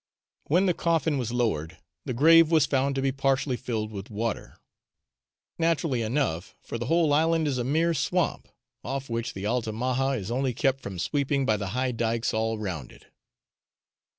When the coffin was lowered the grave was found to be partially filled with water naturally enough, for the whole island is a mere swamp, off which the Altamaha is only kept from sweeping by the high dykes all round it.